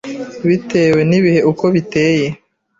bitewe n’ibihe uko biteye,